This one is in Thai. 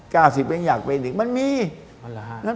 อ๋อก้าวสิบยังอยากเป็นอีก